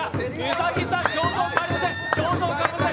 兎さん、表情変わりません。